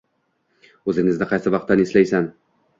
O‘zingni qaysi vaqtdan eslaysan?